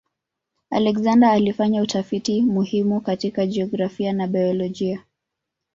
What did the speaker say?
Alexander alifanya utafiti muhimu katika jiografia na biolojia.